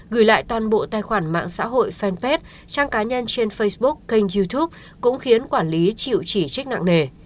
gửi lại toàn bộ tài khoản mạng xã hội fanpage trang cá nhân trên facebook kênh youtube cũng khiến quản lý chịu chỉ trích nặng nề